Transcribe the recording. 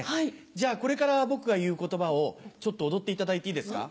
じゃこれから僕が言う言葉をちょっと踊っていただいていいですか？